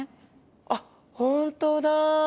あっ本当だ！